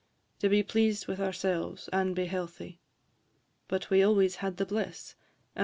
To be pleased with ourselves, and be healthy; But we always had the bliss, &c.